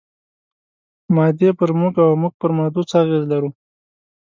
مادې پر موږ او موږ پر مادو څه اغېز لرو؟